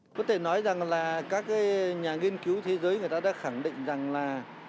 có thể nói rằng là các nhà nghiên cứu thế giới đã khẳng định rằng là